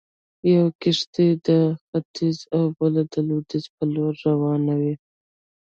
يوه کښتۍ د ختيځ او بله د لويديځ پر لور روانوي.